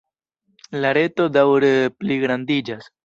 La reto daŭre pligrandiĝas.